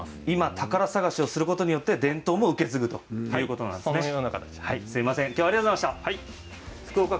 今、宝探しをすることによって伝統も受け継ぐということですね。